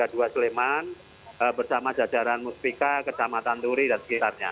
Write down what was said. suleman bersama jajaran muspika kedamatan turi dan sekitarnya